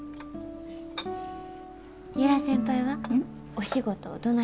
由良先輩はお仕事どないですか？